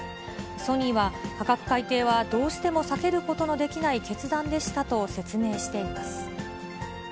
ソニーは、価格改定はどうしても避けることのできない決断でしたと説明しています。